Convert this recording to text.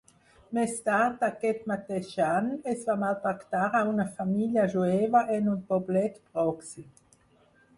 Més tard d'aquest mateix any, es va maltractar a una família jueva en un poblet pròxim.